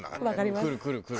くるくるくる。